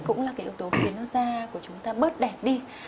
cũng là cái yếu tố khiến nó da của chúng ta bớt đẹp đi